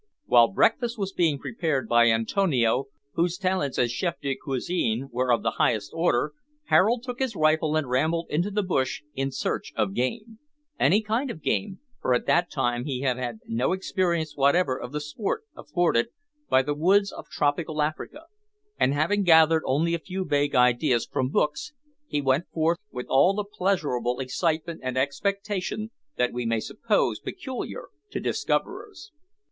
While breakfast was being prepared by Antonio, whose talents as chef de cuisine were of the highest order, Harold took his rifle and rambled into the bush in search of game any kind of game, for at that time he had had no experience whatever of the sport afforded by the woods of tropical Africa, and, having gathered only a few vague ideas from books, he went forth with all the pleasurable excitement and expectation that we may suppose peculiar to discoverers.